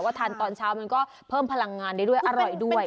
ทานตอนเช้ามันก็เพิ่มพลังงานได้ด้วยอร่อยด้วย